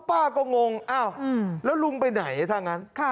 ป้าก็งงอ้าวแล้วลุงไปไหนถ้างั้น